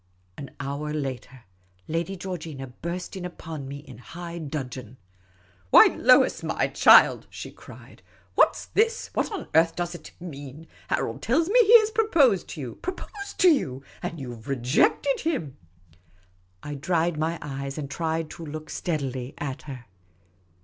An hour later, Lady Georgina burst in upon me in high dudgeon. " Why, Lois, my child !" she cried. " What 's this ? What on earth does it mean ? Harold tells me he has proposed to you — proposed to you — and you 've rejected him !" I dried my eyes and tried to look steadily at her.